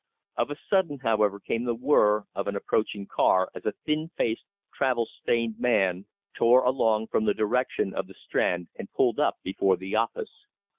Of a sudden, however, came the whirr r of an approaching car, as a thin faced, travel stained man tore along from the direction of the Strand and pulled up before the office.